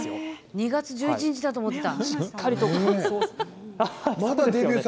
２月１１日かと思った。